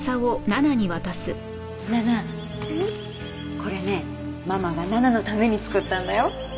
これねママが奈々のために作ったんだよ。